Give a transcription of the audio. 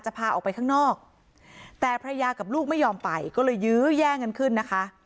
พาออกไปข้างนอกแต่ภรรยากับลูกไม่ยอมไปก็เลยยื้อแย่งกันขึ้นนะคะ